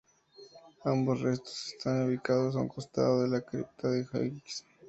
Ambos restos están ubicados a un costado de la cripta de O'Higgins.